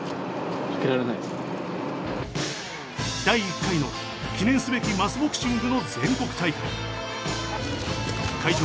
第１回の記念すべきマスボクシングの全国大会。